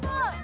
bu silakan bu